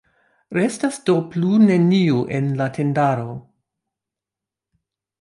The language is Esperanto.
Restas do plu neniu en la tendaro!